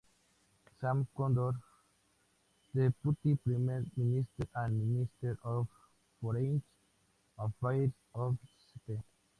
Sam Condor, Deputy Prime Minister and Minister of Foreign Affairs of St.